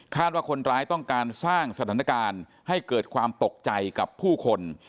ว่าคนร้ายต้องการสร้างสถานการณ์ให้เกิดความตกใจกับผู้คน